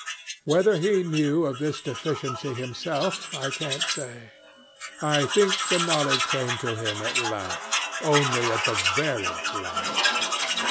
Whether he knew of this deficiency himself I can't say. I think the knowledge came to him at last only at the very last.